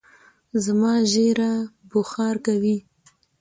زما ژېره بوخار کوی